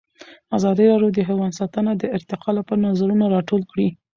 ازادي راډیو د حیوان ساتنه د ارتقا لپاره نظرونه راټول کړي.